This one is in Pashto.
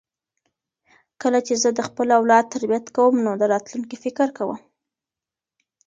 کله چې زه د خپل اولاد تربیت کوم نو د راتلونکي فکر کوم.